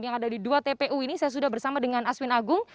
yang ada di dua tpu ini saya sudah bersama dengan aswin agung